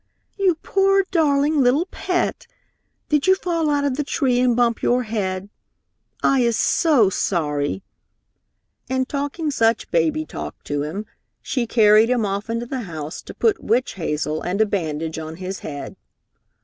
"You poor darling little pet! Did you fall out of the tree and bump your head? I is so sorry," and talking such baby talk to him, she carried him off into the house to put witch hazel and a bandage on his head.